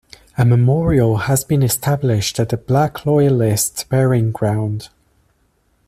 A memorial has been established at the Black Loyalist Burying Ground.